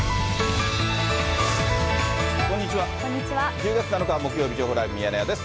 １０月７日木曜日、情報ライブミヤネ屋です。